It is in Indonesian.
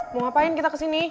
mau ngapain kita kesini